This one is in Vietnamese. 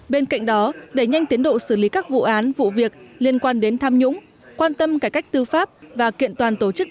bên cạnh đó đẩy nhanh tiến độ xử lý các vụ án vụ việc liên quan đến tham nhũng quan tâm cải cách tư pháp và kiện toàn tổ chức